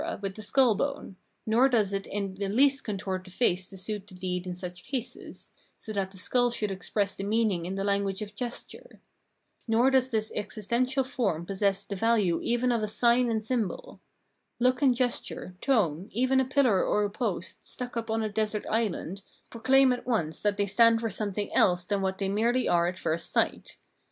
with the skull bone, nor does it ia the least contort the face to suit the deed in such cases, so that the skull should express the meaning in the lan guage of gesture. Nor does this existential form possess the value even of a sign and symbol. Look and gesture, tone, even a pillar or a post, stuck up on a desert island, proclaim at once that they stand for something else than what they merely are at first sight.